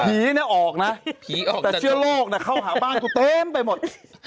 ผีนี่ออกนะแต่เชื่อโลกเข้าหาบ้านกูเต็มไปหมด